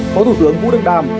phó thủ tướng vũ đức đàm